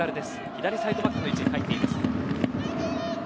左サイドバックの位置に入っています。